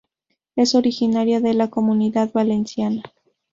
Es originaria de la Comunidad Valenciana.